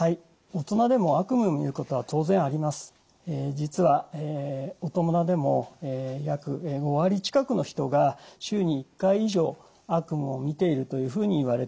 実は大人でも約５割近くの人が週に１回以上悪夢をみているというふうにいわれています。